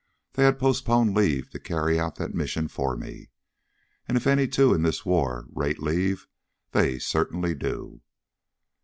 They had postponed leave to carry out the mission for me. And if any two in this war rate leave, they certainly do.